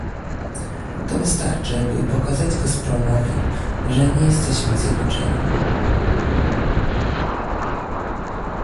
To wystarczy, by pokazać Gazpromowi, że nie jesteśmy zjednoczeni